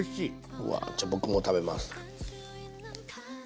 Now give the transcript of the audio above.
うわじゃ僕も食べます。